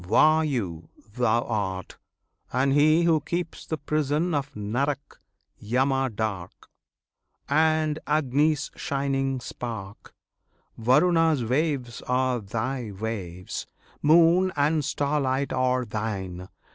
Vayu[FN#24] Thou art, and He who keeps the prison Of Narak, Yama dark; And Agni's shining spark; Varuna's waves are Thy waves. Moon and starlight Are Thine!